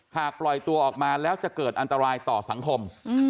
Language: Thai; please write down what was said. ปล่อยตัวออกมาแล้วจะเกิดอันตรายต่อสังคม